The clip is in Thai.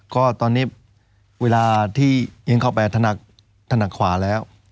ก็ตอนนี้เวลาที่ยิงเข้าไปถนัดขวาแล้ว